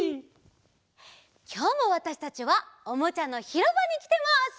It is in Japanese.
きょうもわたしたちはおもちゃのひろばにきてます。